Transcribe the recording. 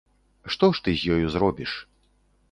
Што ж ты з ёю зробіш.